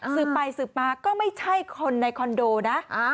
สืบไปสืบมาก็ไม่ใช่คนในคอนโดนะ